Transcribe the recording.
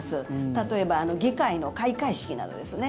例えば議会の開会式などですね。